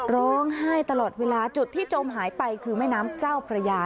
ร้องไห้ตลอดเวลาจุดที่จมหายไปคือแม่น้ำเจ้าพระยา